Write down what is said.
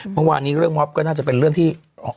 เมื่อวานนี้เรื่องมอบก็น่าจะเป็นเรื่องที่